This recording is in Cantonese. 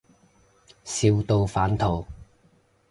笑到反肚